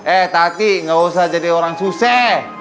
eh tati nggak usah jadi orang susah